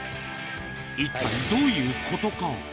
一体どういうことか。